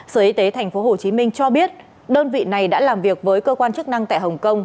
sở y tế tp hcm cho biết đơn vị này đã làm việc với cơ quan chức năng tại hồng kông